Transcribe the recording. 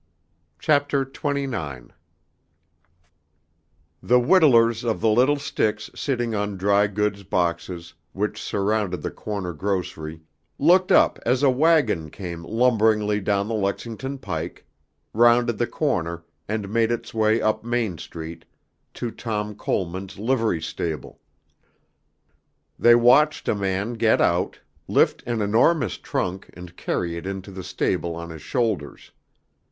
CHAPTER XXIX. The whittlers of the little sticks sitting on dry goods boxes which surrounded the corner grocery looked up as a wagon came lumberingly down the Lexington Pike, rounded the corner and made its way up Main Street to Tom Coleman's livery stable. They watched a man get out, lift an enormous trunk and carry it into the stable on his shoulders.